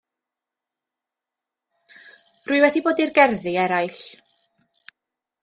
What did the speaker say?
Rwy wedi bod i'r gerddi eraill.